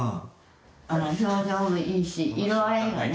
表情もいいし色合いがね。